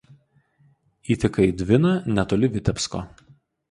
Įteka į Dviną netoli Vitebsko.